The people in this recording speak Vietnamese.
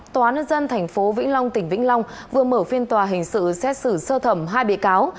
tòa nước dân thành phố vĩnh long tỉnh vĩnh long vừa mở phiên tòa hình sự xét xử sơ thẩm hai bị cáo